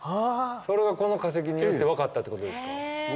それがこの化石によって分かったってことですか？